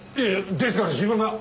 ですから自分が。